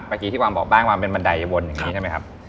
เมื่อกี้ที่วางบอกบ้านวางเป็นบันไดวนอย่างนี้ใช่ไหมครับ